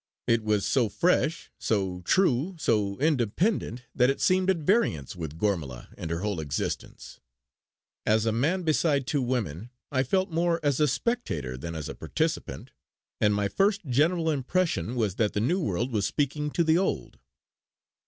It was so fresh, so true, so independent that it seemed at variance with Gormala and her whole existence. As a man beside two women, I felt more as a spectator than as a participant, and my first general impression was that the New World was speaking to the Old.